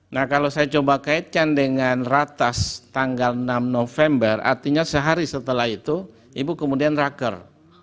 nah kalau saya coba kaitkan dengan ratas tanggal enam november artinya sehari setelah itu ibu kemudian raker